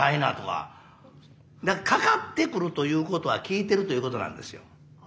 かかってくるということは聴いてるということなんですよ。